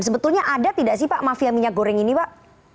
sebetulnya ada tidak sih pak mafia minyak goreng ini pak